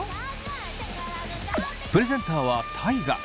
プレゼンターは大我。